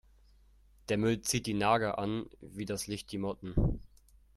Der Müll zieht die Nager an wie das Licht die Motten.